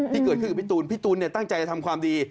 ที่เกิดขึ้นกับพี่ตูนพี่ตูนตั้งใจจะทำความดี